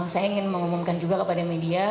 saya ingin mengumumkan juga kepada media